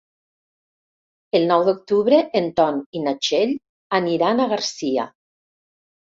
El nou d'octubre en Ton i na Txell aniran a Garcia.